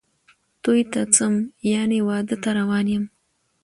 توی ته څم ،یعنی واده ته روان یم